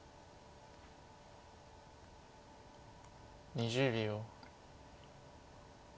２０秒。